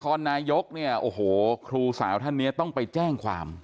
นายกเนี่ยโอ้โหครูสาวท่านนี้ต้องไปแจ้งความ